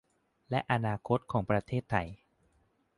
และอนาคตของประเทศไทย